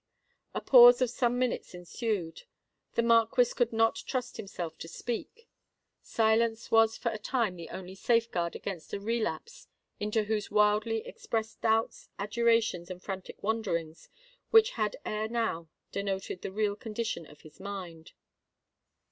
A pause of some minutes ensued: the Marquis could not trust himself to speak. Silence was for a time the only safeguard against a relapse into those wildly expressed doubts, adjurations, and frantic wanderings which had ere now denoted the real condition of his mind.